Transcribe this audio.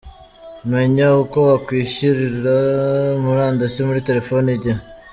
Menya uko wakwishyirira murandasi muri telefoni igihe